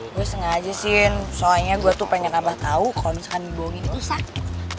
gue sengaja sin soalnya gue tuh pengen abah tau kalo misalkan dibohongin itu sakit